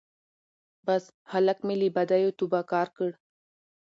بس هلک مي له بدیو توبه ګار کړ